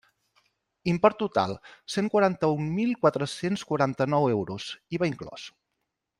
Import total: cent quaranta-un mil quatre-cents quaranta-nou euros, IVA inclòs.